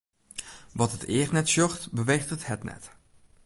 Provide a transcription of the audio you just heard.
Wat it each net sjocht, beweecht it hert net.